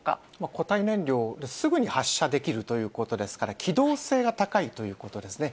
固体燃料、すぐに発射できるということですから、機動性が高いということですね。